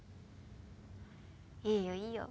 いいよいいよ